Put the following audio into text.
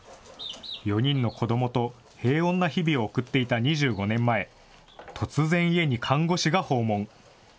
４人の子どもと平穏な日々を送っていた２５年前、突然家に看護師が訪問。